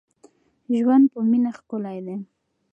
ژوند په مینه ښکلی دی.